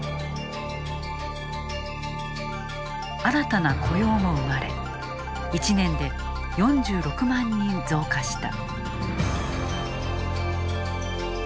新たな雇用も生まれ１年で４６万人増加した。